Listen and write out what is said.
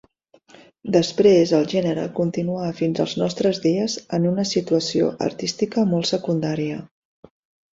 Després el gènere continuà fins als nostres dies en una situació artística molt secundària.